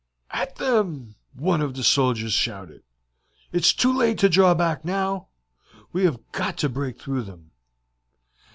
"At them!" one of the leaders shouted. "It is too late to draw back now. We have got to break through them."